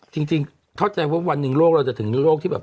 จริงเข้าใจว่าวันหนึ่งโรคเราจะถึงโรคที่แบบ